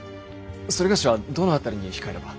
それがしはどの辺りに控えれば。